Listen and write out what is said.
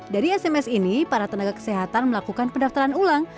dari sms ini para tenaga kesehatan melakukan pendaftaran ulang